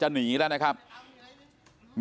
โหลายกาก